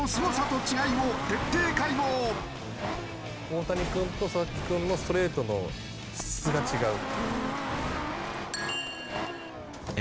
大谷君と佐々木君のストレートの質が違う。